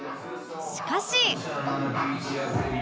しかし